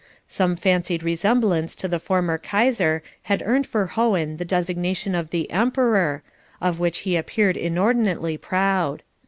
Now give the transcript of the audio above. Some fancied resemblance to the former Kaiser had earned for Hohen the designation of the "Emperor," of which he appeared inordinately proud.